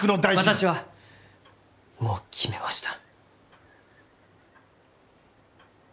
私はもう決めました。